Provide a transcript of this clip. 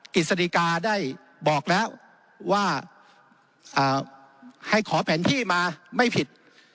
กิจสดีกาได้บอกแล้วว่าให้ขอแผนที่มาไม่ผิด